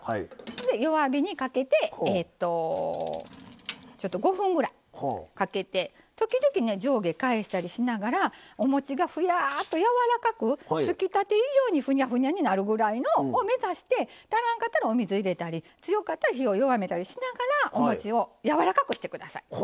弱火にかけてちょっと５分ぐらいかけて時々、上下を返したりしながらおもちが、ふやーっとやわらかくつきたて以上にふにゃふにゃになるぐらい目指して足らんかったらお水を入れたり強かったら火を弱めたりしながらおもちをやわらかくしてください。